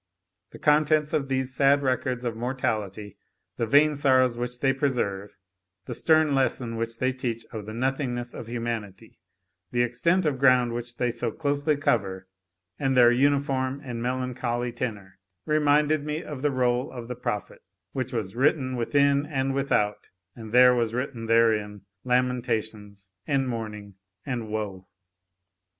The contents of these sad records of mortality, the vain sorrows which they preserve, the stern lesson which they teach of the nothingness of humanity, the extent of ground which they so closely cover, and their uniform and melancholy tenor, reminded me of the roll of the prophet, which was "written within and without, and there was written therein lamentations and mourning and woe."